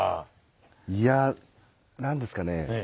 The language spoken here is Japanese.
いや何ですかねぇ。